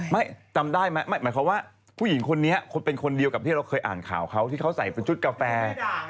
ไม่จำได้ไหมหมายความว่าผู้หญิงคนนี้เป็นคนเดียวกับที่เราเคยอ่านข่าวเขาที่เขาใส่เป็นชุดกาแฟ